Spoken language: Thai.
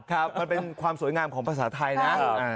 มันเป็นความสวยงามของภาษาไทยนะ